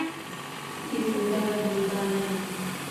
ايي ڦولدار گلدانن